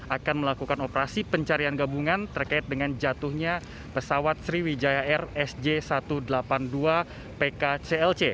akan melakukan operasi pencarian gabungan terkait dengan jatuhnya pesawat sriwijaya air sj satu ratus delapan puluh dua pkclc